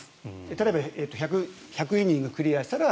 例えば１００イニングクリアしたら